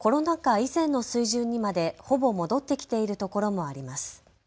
以前の水準にまでほぼ戻ってきているところもあります。